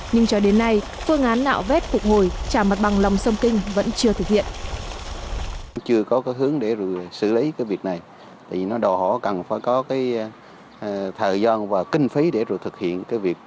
nhưng cho đến nay phương án nạo vét phục hồi trả mặt bằng lòng sông kinh vẫn chưa thực hiện